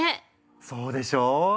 そうでしょう！